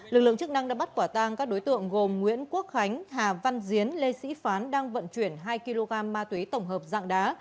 lực lượng chức năng đã bắt quả tang các đối tượng gồm nguyễn quốc khánh hà văn diến lê sĩ phán đang vận chuyển hai kg ma túy tổng hợp dạng đá